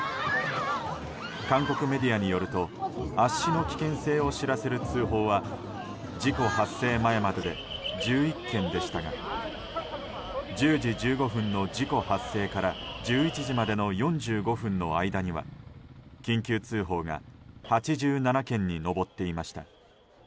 韓国メディアによると圧死の危険性を知らせる通報は事故発生前までで１１件でしたが１０時１５分の事故発生から１１時までの４５分の間には緊急通報が８７件に上っていました。